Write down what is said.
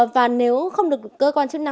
và nếu không được cơ quan chứng tư